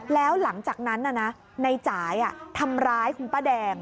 แล้วหลังจากนั้นในจ่ายทำร้ายคุณป้าแดง